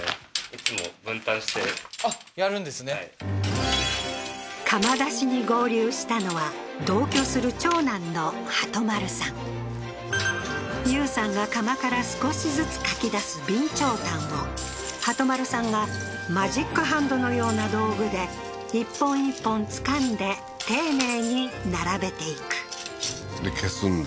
はい「窯出し」に合流したのは同居する長男の鳩丸さん有さんが窯から少しずつかき出す備長炭を鳩丸さんがマジックハンドのような道具で１本１本つかんで丁寧に並べていくで消すんだ